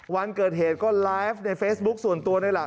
วันเกิดเหตุก็ไลฟ์ในเฟซบุ๊คส่วนตัวนี่แหละ